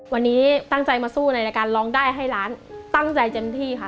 วันนี้ตั้งใจมาสู้ในรายการร้องได้ให้ล้านตั้งใจเต็มที่ค่ะ